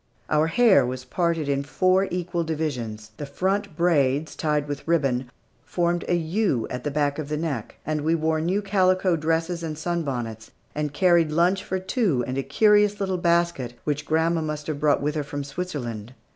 Our hair was parted in four equal divisions; the front braids, tied with ribbon, formed a U at the back of the neck; and we wore new calico dresses and sun bonnets, and carried lunch for two in a curious little basket, which grandma must have brought with her from Switzerland.